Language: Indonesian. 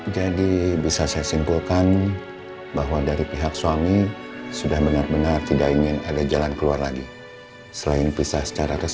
jadi bisa saya simpulkan bahwa dari pihak suami sudah benar benar tidak ingin ada jalan keluar lagi selain perisah secara resmi